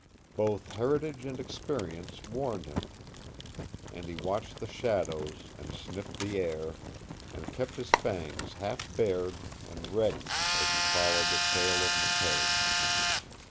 Both heritage and experience warned him. And he watched the shadows, and sniffed the air, and kept his fangs half bared and ready as he followed the trail of McKay.